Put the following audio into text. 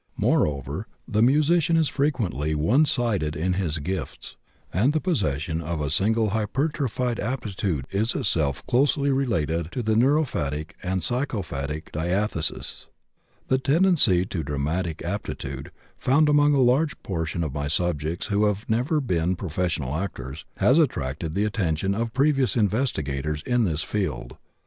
Moreover, the musician is frequently one sided in his gifts, and the possession of a single hypertrophied aptitude is itself closely related to the neuropathic and psychopathic diathesis. The tendency to dramatic aptitude found among a large proportion of my subjects who have never been professional actors has attracted the attention of previous investigators in this field.